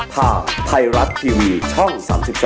ภาพไพรัตท์ทีวีช่อง๓๒